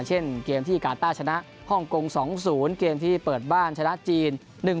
เช่นเกมที่กาต้าชนะฮ่องกง๒๐เกมที่เปิดบ้านชนะจีน